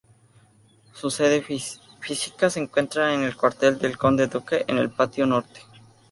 Su sede física se encuentra en el Cuartel del Conde-Duque, en el patio Norte.